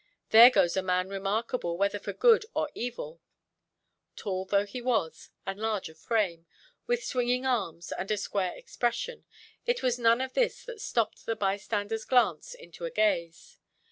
"There goes a man remarkable, whether for good or evil". Tall though he was, and large of frame, with swinging arms, and a square expression, it was none of this that stopped the bystanderʼs glance into a gaze.